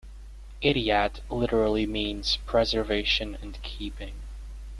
Ihtiyat literally means preservation and keeping.